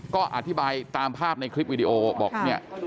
ก็อธิบายตามภาพในคลิปวิดีโอบอกเนี่ย